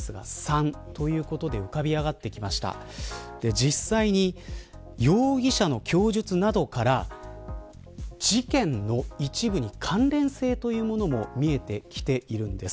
実際に、容疑者の供述などから事件の一部に関連性というものも見えてきているんです。